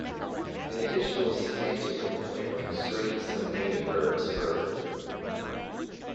An additional semantic component constrains some native verbs further.